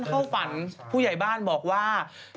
เตางอยมาอีกแล้ว